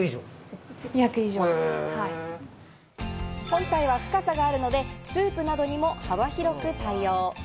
本体は深さがあるので、スープなどにも幅広く対応。